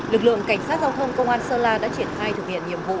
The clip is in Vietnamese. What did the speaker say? lực lượng cảnh sát giao thông công an sơn la đã triển khai thực hiện nhiệm vụ